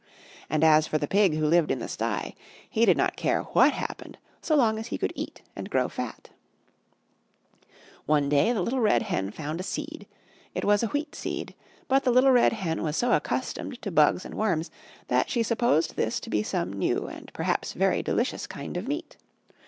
And as for the pig who lived in the sty he did not care what happened so long as he could eat and grow fat. One day the Little Red Hen found a Seed. It was a Wheat Seed, but the Little Red Hen was so accustomed to bugs and worms that she supposed this to be some new and perhaps very delicious kind of meat.